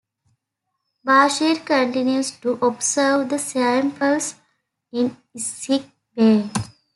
Bashir continues to observe the samples in Sick Bay.